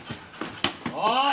おい！